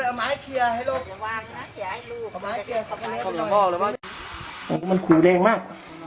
โอ้โฮมันคูรเองมาก